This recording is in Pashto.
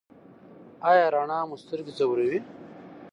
ایا رڼا مو سترګې ځوروي؟